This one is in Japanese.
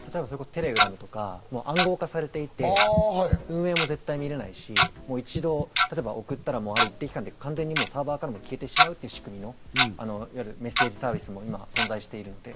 テレグラムとか暗号化されていて、運営も絶対見られないし、一度送ったらデジタルでサーバーから完全に消えてしまう、メッセージサービスも今、存在しているので。